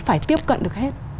phải tiếp cận được hết